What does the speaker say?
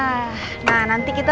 terima kasih doang children